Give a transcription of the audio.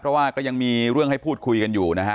เพราะว่าก็ยังมีเรื่องให้พูดคุยกันอยู่นะฮะ